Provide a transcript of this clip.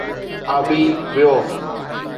ابي بيوف